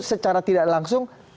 secara tidak langsung